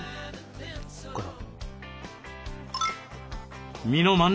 ここから。